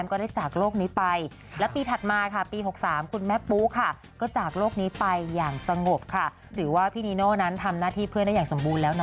ก็จากโลกนี้ไปอย่างสงบค่ะหรือว่าพี่นิโอนั้นทำหน้าที่เพื่อนได้อย่างสมบูรณ์แล้วน้อย